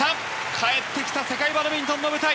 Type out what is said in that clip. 帰ってきた世界バドミントンの舞台！